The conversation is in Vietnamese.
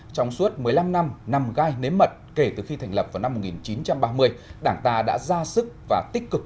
trong suốt một mươi năm năm nằm gai nếm mật kể từ khi thành lập vào năm một nghìn chín trăm ba mươi đảng ta đã ra sức và tích cực